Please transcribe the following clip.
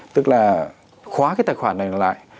tức là khóa cái tài khoản này lại